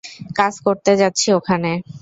কাজ করতে যাচ্ছি ওখানে।